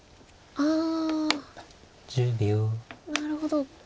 ああなるほど。